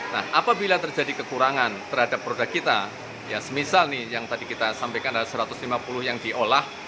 nah apabila terjadi kekurangan terhadap produk kita ya misal nih yang tadi kita sampaikan ada satu ratus lima puluh yang diolah